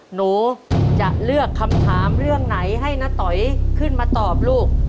หนูจะเลือกคำถามเรื่องไหนให้น้าต๋อยขึ้นมาตอบลูก